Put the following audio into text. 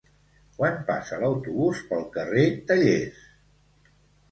Quan passa l'autobús pel carrer Tallers?